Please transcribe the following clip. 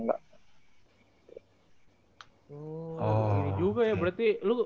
oh ini juga ya berarti